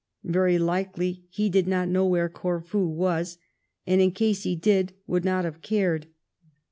Very likely he did not know where Corfu was, and in case he did, would not have cared.